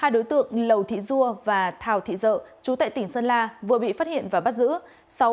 hai đối tượng lầu thị dua và thảo thị dợ chú tại tỉnh sơn la vừa bị phát hiện và bắt giữ